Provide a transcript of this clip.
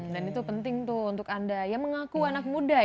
dan itu penting tuh untuk anda yang mengaku anak muda ya